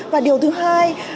và điều thứ hai